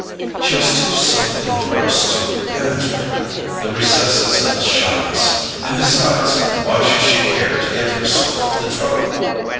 She was too self engrossed to penetrate the recesses of his shyness, and besides, why should she care to give herself the trouble?